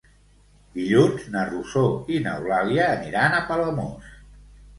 Dilluns na Rosó i n'Eulàlia aniran a Palamós.